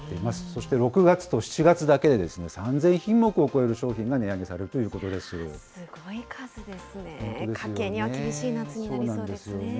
そして６月と７月だけで３０００品目を超える商品が値上げされるすごい数ですね。